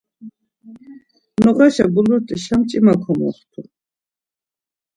Noğaşa bulurt̆işa mç̌ima komoxtu.